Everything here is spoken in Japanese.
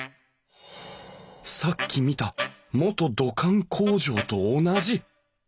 さっき見た元土管工場と同じ！